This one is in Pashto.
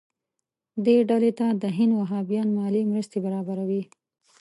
دې ډلې ته د هند وهابیان مالي مرستې برابروي.